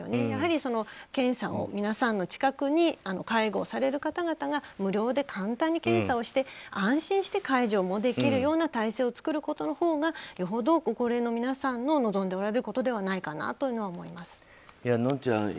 やはり、検査を皆さんの近くに介護される方々が無料で簡単に検査をして解除もできるような体制を作ることのほうがよほど、ご高齢の皆さんの望んでおられることではないかとのんちゃん